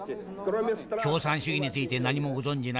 共産主義について何もご存じない。